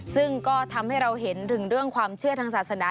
ซึ่งก็ทำให้เราเห็นถึงเรื่องความเชื่อทางศาสนา